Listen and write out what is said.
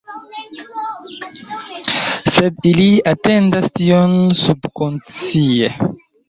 Sed ili atendas tion subkonscie